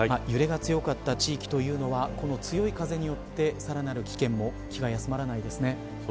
揺れが強かった地域というのはこの強い風によってさらなる危険も気が休まらないですね。